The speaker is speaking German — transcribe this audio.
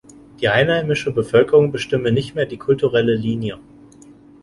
Die einheimische Bevölkerung bestimme nicht mehr die kulturelle Linie.